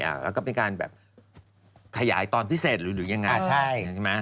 แล้วก็มีการแบบขยายตอนพิเศษหรือยังไง